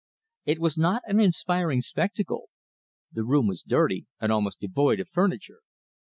It was not an inspiring spectacle. The room was dirty, and almost devoid of furniture.